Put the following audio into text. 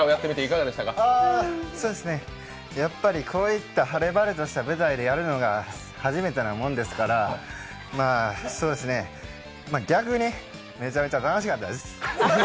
こういった晴れ晴れとした舞台でやるのが初めてなもんですから逆にめちゃめちゃ楽しかったです。